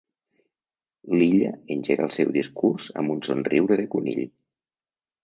L'Illa engega el seu discurs amb un somriure de conill.